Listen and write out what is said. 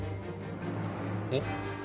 えっ？